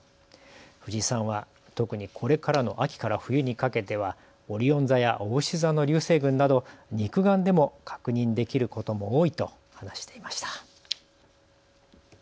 藤井さんは特にこれからの秋から冬にかけてはオリオン座やおうし座の流星群など肉眼でも確認できることも多いと話していました。